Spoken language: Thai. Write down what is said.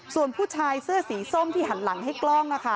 ส่วนผู้ชายเสื้อสีส้มที่หันหลังให้กล้อง